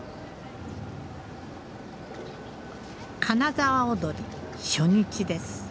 金沢おどり初日です。